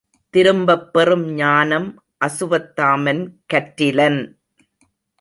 திரும்பப் பெறும் ஞானம் அசுவத்தாமன் கற்றிலன்.